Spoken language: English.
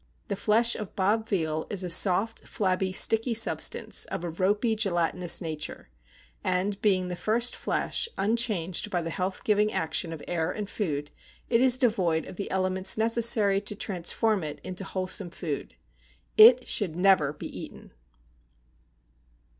The flesh of BOB VEAL is a soft, flabby, sticky substance, of a ropy gelatinous nature; and, being the first flesh, unchanged by the health giving action of air and food, it is devoid of the elements necessary to transform it into wholesome food. IT SHOULD NEVER BE EATEN.